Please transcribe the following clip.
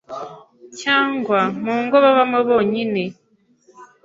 cyangwa mu ngo babamo bonyine.